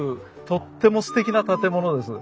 とってもすてきな建物です。